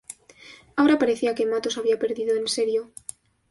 Ahora parecía que Matos había perdido en serio.